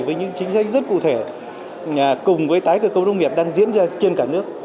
với những chính sách rất cụ thể cùng với tái cơ cấu nông nghiệp đang diễn ra trên cả nước